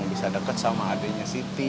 bisa deket sama adeknya siti